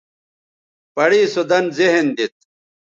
پڑےسو دَن ذہن دیت